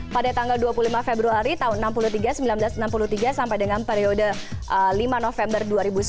pada tanggal dua puluh lima februari tahun seribu sembilan ratus enam puluh tiga sampai dengan periode lima november dua ribu sebelas